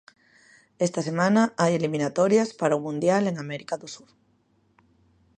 Esta semana hai eliminatorias para o mundial en América do Sur.